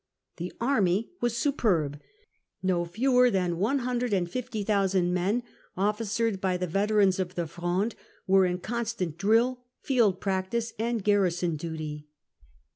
The army was superb. No fewer than 150,000 men, officered by the veterans of the Fronde, were in constant drill, field practice, and garrison duty.